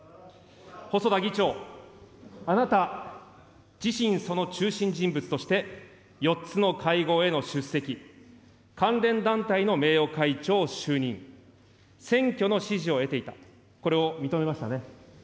細田議長、あなた自身その中心人物として、４つの会合への出席、関連団体の名誉会長就任、選挙の支持を得ていた、これを認めましたね。